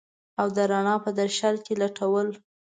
او د رڼا په درشل کي لټول